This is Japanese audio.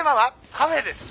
「『カフェ』です！